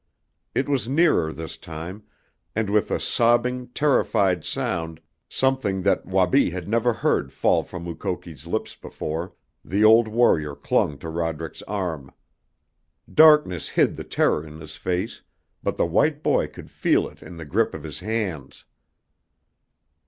It was nearer this time, and with a sobbing, terrified sound, something that Wabi had never heard fall from Mukoki's lips before, the old warrior clung to Roderick's arm. Darkness hid the terror in his face, but the white boy could feel it in the grip of his hands.